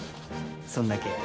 そんだけや。